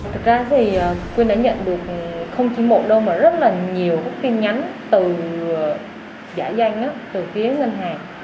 thực ra thì quyên đã nhận được không chỉ một đô mà rất là nhiều các tin nhắn từ giả danh từ phía ngân hàng